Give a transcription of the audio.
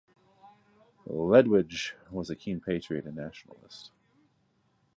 Ledwidge was a keen patriot and nationalist.